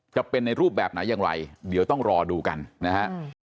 จะเป็นในรูปแบบไหนอย่างไรเดี๋ยวต้องรอดูกันนะฮะ